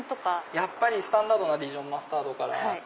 やっぱりスタンダードなディジョンマスタードから。